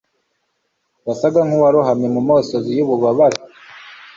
wasaga nkuwarohamye mumosozi yububabare